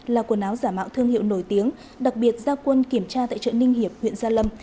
là quần áo giả mạo thương hiệu nổi tiếng đặc biệt giao quân kiểm tra tại chợ ninh hiệp huyện gia lâm